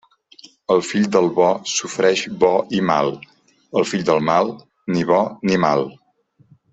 El fill del bo sofreix bo i mal; el fill del mal, ni bo ni mal.